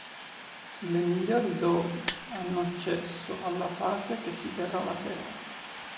Le migliori dodici hanno accesso alla fase che si terrà la sera.